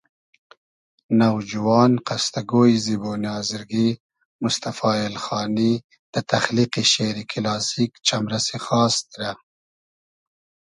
نوجوان قستۂ گۉیی زیبونی آزرگی موستئفا ایلخانی دۂ تئخلیقی شېری کیلاسیک چئمرئسی خاس دیرۂ